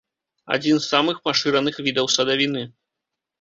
Адзін з самых пашыраных відаў садавіны.